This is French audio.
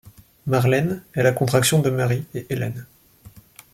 Marlène est la contraction de Marie et Hélène.